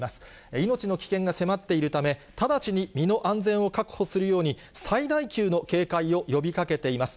命の危険が迫っているため、直ちに身の安全を確保するように、最大級の警戒を呼びかけています。